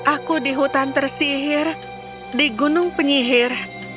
aku di hutan tersihir di gunung penyihir